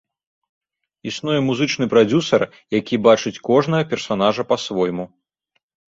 Існуе музычны прадзюсар, які бачыць кожнага персанажа па-свойму.